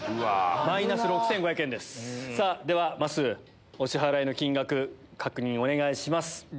ではまっすーお支払いの金額確認お願いします。